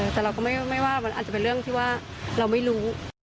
แต่เราก็ไม่ว่ามันอาจจะเป็นเรื่องที่ว่าเราไม่รู้